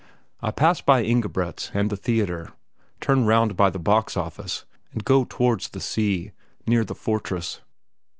I pass by Ingebret's and the theatre, turn round by the box office, and go towards the sea, near the fortress.